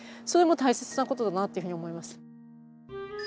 それも大切なことだなっていうふうに思います。